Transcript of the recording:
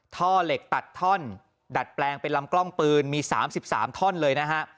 ท่อเหล็กตัดท่อนดัดแปลงเป็นลำกล้องปืนมี๓๓ท่อนเลยนะฮะ